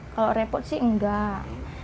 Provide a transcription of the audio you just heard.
kalau repot sih enggak